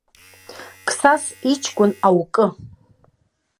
Қсас иҷкәын, аукы!